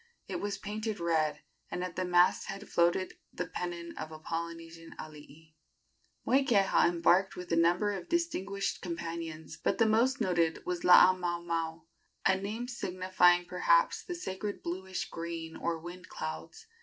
It was painted red, and at the masthead floated the pennon of a Polynesian alii. Moikeha embarked with a number of distinguished companions, but the most noted was Laamaomao a name signifying, perhaps, the sacred bluish green or wind clouds.